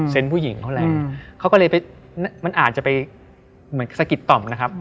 เซ็นต์ผู้หญิงเขาแรงเขาก็เลยไปมันอาจจะไปเหมือนกับสกิตต่อมนะครับ